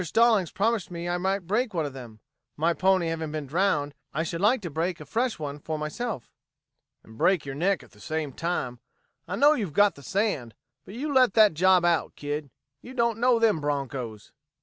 Stallings promised me I might break one of them. My pony having been drowned, I should like to break a fresh one for myself." "And break your neck at the same time. I know you've got the sand, but you let that job out, kid. You don't know them bronchos."